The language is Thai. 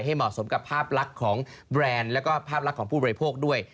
เหมาะสมกับภาพลักษณ์ของแบรนด์แล้วก็ภาพลักษณ์ของผู้บริโภคด้วย